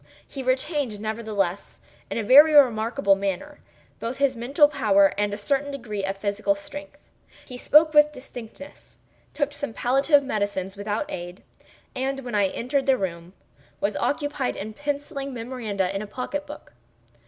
He retained, nevertheless, in a very remarkable manner, both his mental power and a certain degree of physical strength. He spoke with distinctness—took some palliative medicines without aid—and, when I entered the room, was occupied in penciling memoranda in a pocket book.